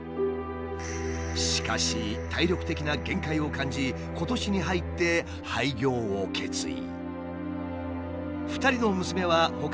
しかし体力的な限界を感じ今年に入って廃業を決意。